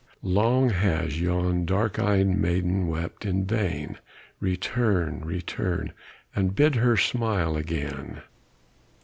Long has yon dark eye'd maiden wept in vain: Return! return! and bid her smile again.